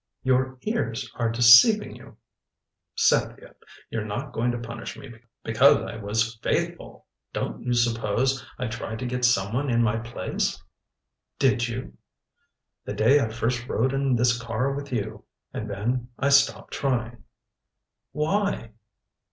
"Your ears are deceiving you." "Cynthia you're not going to punish me because I was faithful Don't you suppose I tried to get some one in my place?" "Did you?" "The day I first rode in this car with you. And then I stopped trying " "Why?"